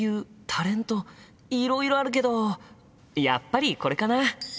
いろいろあるけどやっぱりこれかな！